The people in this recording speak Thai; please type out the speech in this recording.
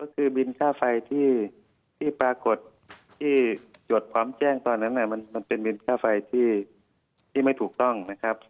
คือบินค่าไฟที่ปรากฏที่จดพร้อมแจ้งตอนนั้นมันเป็นบินค่าไฟที่ไม่ถูกต้องนะครับ